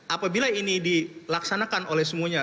apabila ini dilaksanakan oleh semuanya